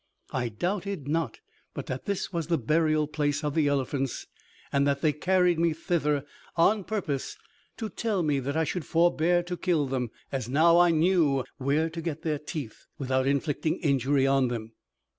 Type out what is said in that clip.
I doubted not but that this was the burial place of the elephants, and that they carried me thither on purpose to tell me that I should forbear to kill them, as now I knew where to get their teeth without inflicting injury on them.